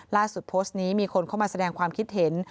โพสต์นี้มีคนเข้ามาแสดงความคิดเห็น